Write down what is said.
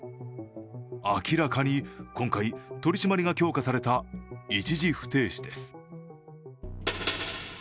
明らかに、今回取り締まりが強化された一時不停止です。